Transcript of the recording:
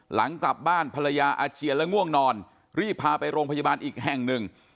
หลังกลับบ้านภรรยาอาเจียนและง่วงนอนรีบพาไปโรงพยาบาลอีกแห่งหนึ่ง